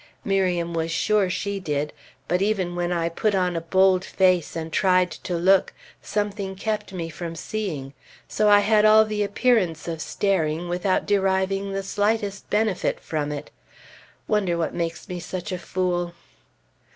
Miriam was sure she did; but even when I put on a bold face, and tried to look, something kept me from seeing; so I had all the appearance of staring, without deriving the slightest benefit from it. Wonder what makes me such a fool?